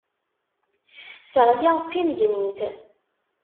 Teɣli d tinnegnit.